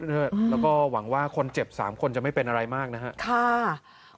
แล้วก็หวังว่าคนเจ็บ๓คนจะไม่เป็นอะไรมากนะครับ